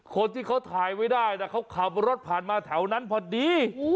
คนที่เขาถ่ายไว้ได้นะเขาขับรถผ่านมาแถวนั้นพอดี